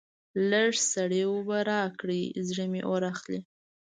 لږ سړې اوبه راکړئ؛ زړه مې اور اخلي.